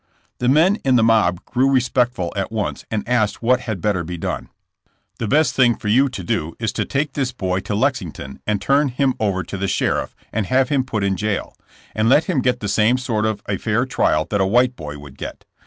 The men in the mob grew respectful at once, and asked what had better be done. '' The best thing for you to do is to take this boy to Lexington and turn him over to the sheriff and have him put in jail, and let him get the same sort of a fair trial that a white boy would get.